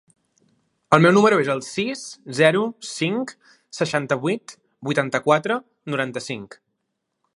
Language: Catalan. El meu número es el sis, zero, cinc, seixanta-vuit, vuitanta-quatre, noranta-cinc.